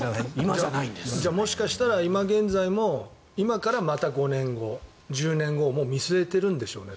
もしかしたら、今現在も今からまた５年後、１０年後をもう見据えているんでしょうね